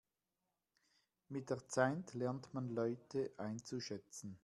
Mit der Zeit lernt man Leute einzuschätzen.